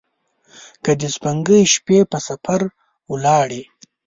که د سپوږمۍ شپې په سفر ولاړي